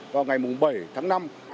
vào ngày bảy tháng năm